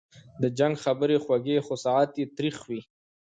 د جنګ خبري خوږې خو ساعت یې تریخ وي